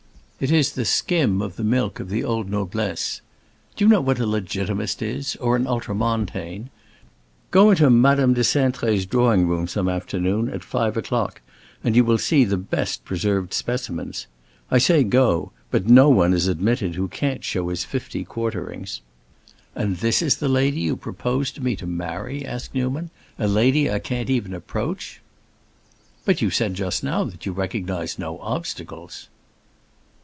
It is the skim of the milk of the old noblesse. Do you know what a Legitimist is, or an Ultramontane? Go into Madame de Cintré's drawing room some afternoon, at five o'clock, and you will see the best preserved specimens. I say go, but no one is admitted who can't show his fifty quarterings." "And this is the lady you propose to me to marry?" asked Newman. "A lady I can't even approach?" "But you said just now that you recognized no obstacles."